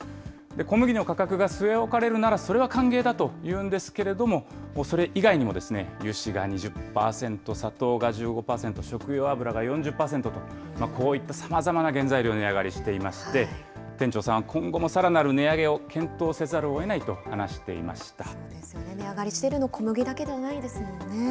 小麦の価格が据え置かれるならそれは歓迎だというんですけれども、それ以外にも、油脂が２０％、砂糖が１５％、食用油が４０％と、こういったさまざまな原材料、値上がりしていまして、店長さんは今後もさらなる値上げを検討せざ値上がりしてるの、小麦だけではないですもんね。